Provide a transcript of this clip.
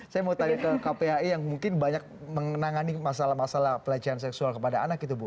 saya mau tanya ke kpai yang mungkin banyak menangani masalah masalah pelecehan seksual kepada anak itu bu